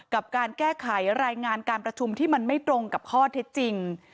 กับการแก้ไขรายงานการประชุมที่มันไม่ตรงกับข้อเท็จจริง